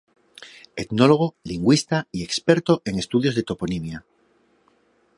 Etnólogo, lingüista y experto en estudios de toponimia.